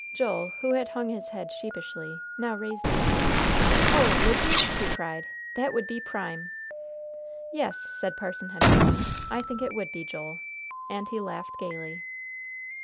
Joel, who had hung his head sheepishly, now raised it. "Oh, would you?" he cried; "that would be prime!" "Yes," said Parson Henderson, "I think it would be, Joel," and he laughed gayly.